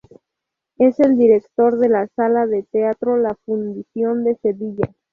Es el director de la sala de teatro La Fundición de Sevilla.